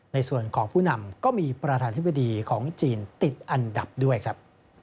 ในส่วนของผู้นำก็มีประธานธิบดีของจีนติดอันดับด้วยครับ